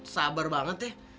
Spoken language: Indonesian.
sabar banget ya